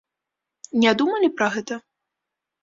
Не думалі пра гэта?